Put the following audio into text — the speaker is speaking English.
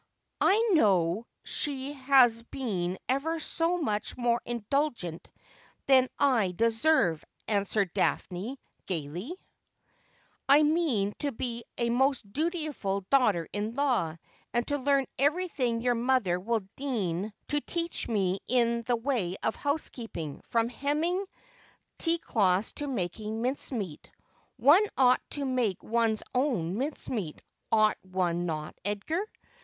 ' I know she has been ever so much more indulgent than I deserve,' answered Daphne gaily ;' I mean to be a most dutiful daughter in law, and to learn everything your mother will deign 'I meane well, by God that sit Above.' 321 to teach me ia the way of housekeeping, from hemming tea cloths to making mincemeat. One ought to make one's own mincemeat, ought one not, Edgar